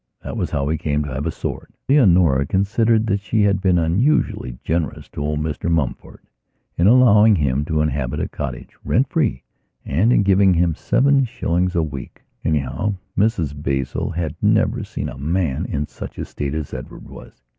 That was how he came to have a sword. Leonora considered that she had been unusually generous to old Mr Mumford in allowing him to inhabit a cottage, rent free, and in giving him seven shillings a week. Anyhow, Mrs Basil had never seen a man in such a state as Edward was.